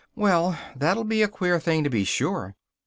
Well! that'll be a queer thing, to be sure!